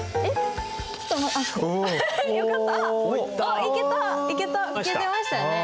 いけてましたよね。